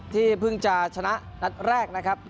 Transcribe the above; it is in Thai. ที่เพิ่งจะชนะนัดแรกนะครับ